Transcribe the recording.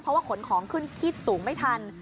เพราะว่าขนของขึ้นที่สูงไม่ทัน